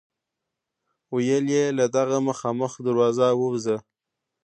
ویل یې له دغه مخامخ دروازه ووځه.